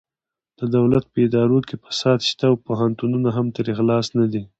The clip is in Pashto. د دولت په ادارو کې فساد شته او پوهنتونونه هم ترې خلاص نه دي